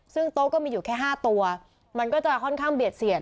ซึ่งโต๊ะก็มีอยู่แค่๕ตัวมันก็จะค่อนข้างเบียดเสียด